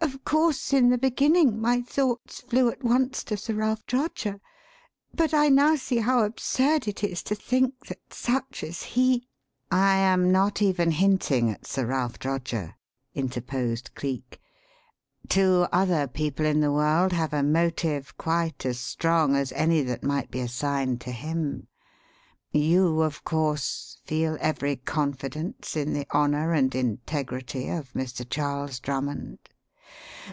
Of course, in the beginning, my thoughts flew at once to Sir Ralph Droger, but I now see how absurd it is to think that such as he " "I am not even hinting at Sir Ralph Droger," interposed Cleek. "Two other people in the world have a 'motive' quite as strong as any that might be assigned to him. You, of course, feel every confidence in the honour and integrity of Mr. Charles Drummond?"